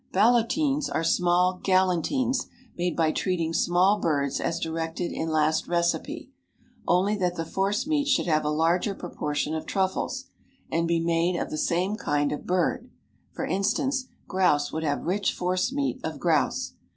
Ballotines are small galantines made by treating small birds as directed in last recipe, only that the force meat should have a larger proportion of truffles, and be made of the same kind of bird; for instance, grouse would have rich force meat of grouse.